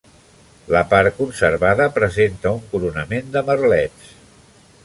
La part conservada presenta un coronament de merlets.